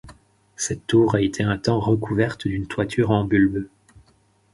Cette tour a été un temps recouverte d’une toiture en bulbe.